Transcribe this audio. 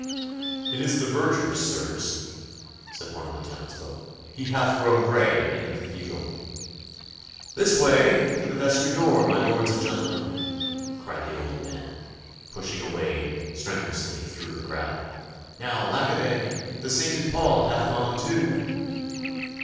'It is the verger, sirs,' said one of the townsfolk. 'He hath grown grey in the Cathedral.' 'This way to the vestry door, my lords and gentlemen,' cried the old man, pushing a way strenuously through the crowd. 'Now, lack a day, the sainted Paul hath gone too!